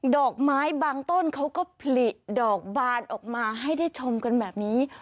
ดอกไม้บางต้นเขาก็ผลิดอกบานออกมาให้ได้ชมกันแบบนี้